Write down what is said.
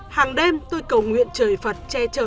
hàng đêm tôi cầu nguyện trời phật che trở